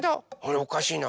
おかしいな。